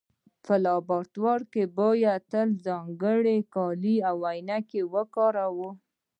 په لابراتوار کې باید تل ځانګړي کالي او عینکې وکاروو.